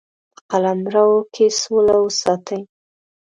په قلمرو کې سوله وساتي.